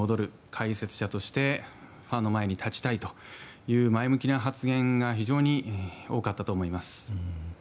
解説者としてファンの前に立ちたいという前向きな発言が非常に多かったと思います。